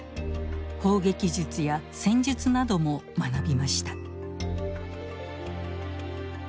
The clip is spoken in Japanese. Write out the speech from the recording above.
砲撃術や戦術なども学びました。